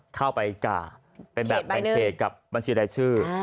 เข้าไปก่าเป็นแบบแบ่งเขตกับบัญชีรายชื่อ